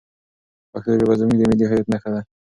پښتو ژبه زموږ د ملي هویت نښه ده.